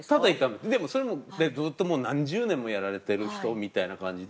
でもそれもずっと何十年もやられてる人みたいな感じで。